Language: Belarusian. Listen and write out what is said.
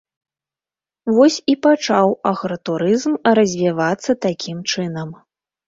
Вось і пачаў агратурызм развівацца такім чынам.